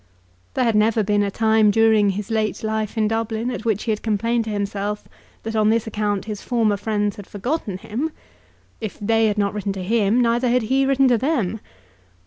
There had never been a time during his late life in Dublin at which he had complained to himself that on this account his former friends had forgotten him. If they had not written to him, neither had he written to them.